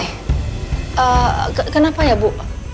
eee kenapa ya bu